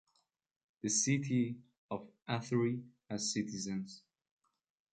The city of Athenry has citizens.